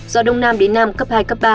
gió đông nam đến nam cấp hai ba